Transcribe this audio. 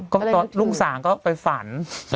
ก็ตอนลูกสางก็ไปฝัน